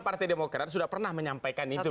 partai demokrat sudah pernah menyampaikan itu